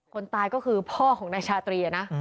คนตายก็คือพ่อของนายชาตรีนะ